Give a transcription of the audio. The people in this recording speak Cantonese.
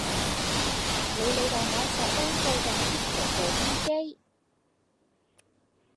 你老豆我十零歲就喺 disco 做 dj